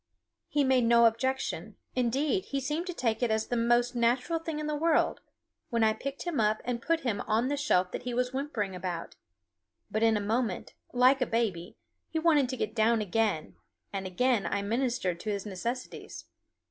He made no objection indeed, he seemed to take it as the most natural thing in the world when I picked him up and put him on the shelf that he was whimpering about; but in a moment, like a baby, he wanted to get down again, and again I ministered to his necessities.